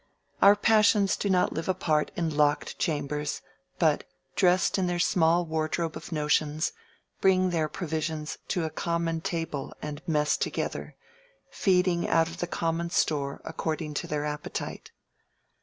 Our passions do not live apart in locked chambers, but, dressed in their small wardrobe of notions, bring their provisions to a common table and mess together, feeding out of the common store according to their appetite.